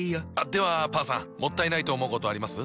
ではパンさんもったいないと思うことあります？